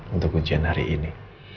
untuk ujian hari ini